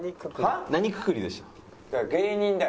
何くくりでした？